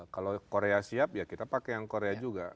kalau korea siap ya kita pakai yang korea juga